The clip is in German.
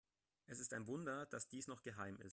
Es ist ein Wunder, dass dies noch geheim ist.